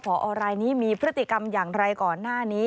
พอรายนี้มีพฤติกรรมอย่างไรก่อนหน้านี้